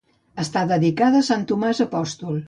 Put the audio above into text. Està dedicada a sant Tomàs Apòstol.